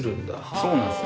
そうなんですよ。